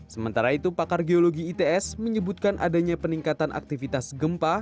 sementara itu pakar geologi its menyebutkan adanya peningkatan aktivitas gempa